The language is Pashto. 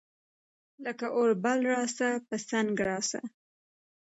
لکه اوربل راسه ، پۀ څنګ راسه